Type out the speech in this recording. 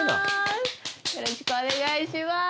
よろしくお願いします！